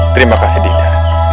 terima kasih dinda